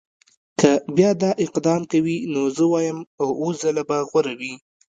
که بیا دا اقدام کوي نو زه وایم چې اووه ځله به غور کوي.